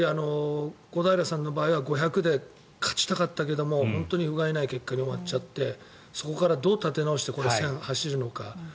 小平さんの場合は５００ｍで勝ちたかったけども本当にふがいない結果に終わっちゃってそこからどう立て直して１０００ｍ走るのか。